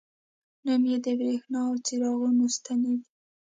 نوم یې د بریښنا او څراغونو ستنې دي.